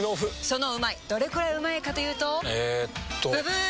そのうまいどれくらいうまいかというとえっとブブー！